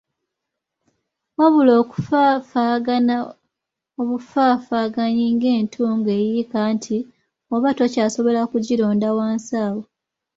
Wabula okufaafaagana obufaafaaganyi ng'entungo eyiika anti oba tokyasobola kugironda wansi awo.